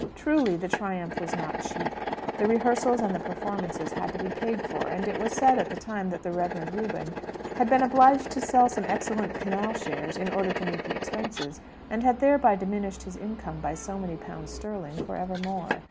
Truly, the triumph was not cheap. The rehearsals and the performance had to be paid for, and it was said at the time that the Reverend Reuben had been obliged to sell some excellent Canal Shares in order to meet the expenses, and had thereby diminished his income by so many pounds sterling for evermore.